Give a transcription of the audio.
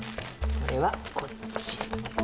これはこっち。